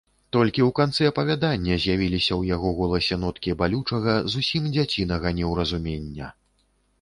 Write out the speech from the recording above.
Толькі ў канцы апавядання з'явіліся ў яго ў голасе ноткі балючага, зусім дзяцінага неўразумення.